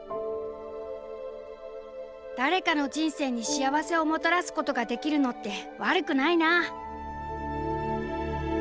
「誰かの人生に幸せをもたらすことができるのって悪くないな！」。